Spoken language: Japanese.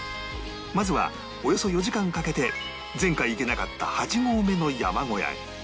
まずはおよそ４時間かけて前回行けなかった８合目の山小屋へ